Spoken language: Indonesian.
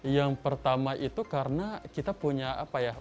yang pertama itu karena kita punya apa ya